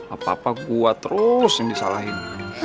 apa apa gua terus yang disalahin